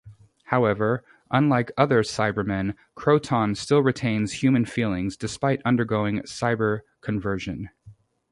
However, unlike other Cybermen, Kroton still retains human feelings despite undergoing cyber-conversion.